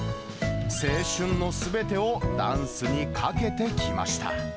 青春のすべてをダンスにかけてきました。